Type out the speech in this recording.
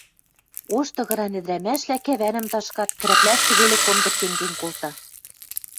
Ош тыгыран ӹдӹрӓмӓшвлӓ кӓвӓнӹм ташкат, крӓпляштӹ веле комдык кен-кен колта.